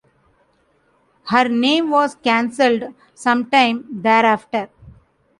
Her name was canceled sometime thereafter.